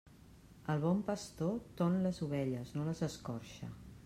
El bon pastor ton les ovelles, no les escorxa.